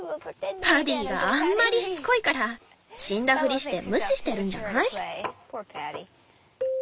パディがあんまりしつこいから死んだふりして無視してるんじゃない？